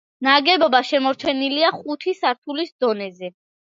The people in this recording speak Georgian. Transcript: ნაგებობა შემორჩენილია ხუთი სართულის დონეზე.